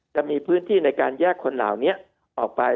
จะมีพื้นที่ในการแยกคนเหล่านี้ออกไป